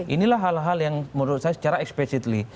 inilah hal hal yang menurut saya secara expecially